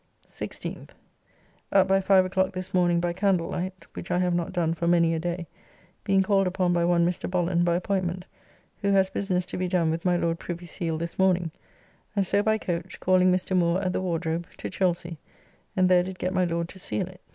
16th. Up by five o'clock this morning by candlelight (which I have not done for many a day), being called upon by one Mr. Bollen by appointment, who has business to be done with my Lord Privy Seal this morning, and so by coach, calling Mr. Moore at the Wardrobe, to Chelsy, and there did get my Lord to seal it.